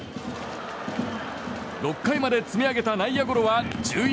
６回まで積み上げた内野ゴロは１１。